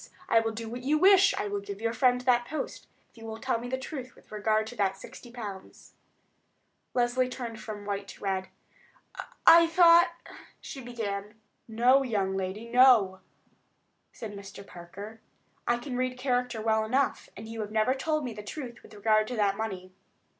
I will do what you wish—I will give your friend that post—if you will tell me the truth with regard to that sixty pounds." Leslie turned from white to red. "I thought——" she began. "No, young lady; no," said Mr. Parker. "I can read character well enough, and you have never told me the truth with regard to that money.